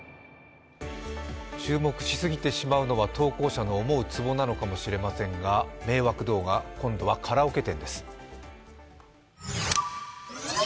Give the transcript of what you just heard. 注目しすぎてしまうのは投稿者の思うつぼなのかもしれませんが、迷惑動画、今度はカラオケ店です。